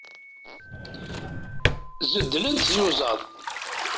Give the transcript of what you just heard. Zeddlent tyuẓaḍ.